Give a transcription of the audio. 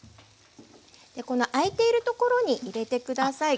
この空いているところに入れて下さい。